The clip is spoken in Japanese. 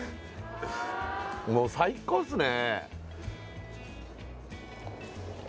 もう最高っすね